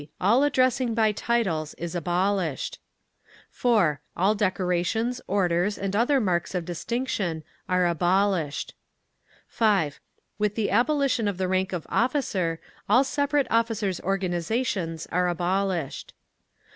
All addressing by titles is abolished. 4. All decorations, orders, and other marks of distinction are abolished. 5. With the abolition of the rank of officer, all separate officers' organisations are abolished.